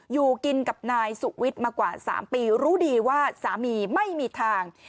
อยู่กินกับนายสุวิทย์มากว่า๓ปีรู้ดีว่าสามีไม่มีทาง